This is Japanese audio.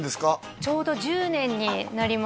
ちょうど１０年になりました